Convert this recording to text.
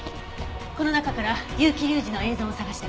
この中から結城隆司の映像を捜して。